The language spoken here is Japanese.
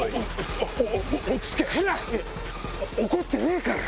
怒ってねえから。